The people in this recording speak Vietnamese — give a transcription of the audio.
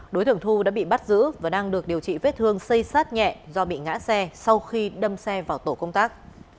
đối tượng thu đã bị bắt giữ và đang được điều trị vết thương xây sát nhẹ do bị ngã xe sau khi đâm xe vào tổ công tác